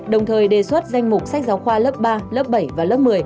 đồng thời đề xuất danh mục sách giáo khoa lớp ba lớp bảy và lớp một mươi